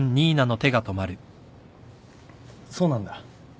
そうなんだ。